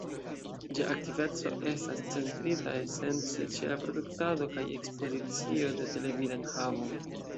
Ĝia aktiveco estas centrita esence ĉe la produktado kaj ekspozicio de televida enhavo.